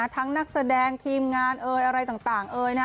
ทั้งนักแสดงทีมงานอะไรต่าง